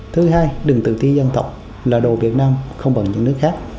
thứ hai đừng tự tí dân tộc là đồ việt nam không bằng những nước khác